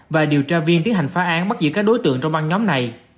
và điều tra viên tiến hành phá án bắt giữ các đối tượng trong băng nhóm này